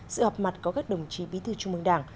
sự họp mặt có các đồng chí bí thư trung mương đảng